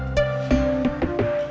ya baik bu